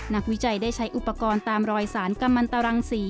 วิจัยได้ใช้อุปกรณ์ตามรอยสารกำมันตรังศรี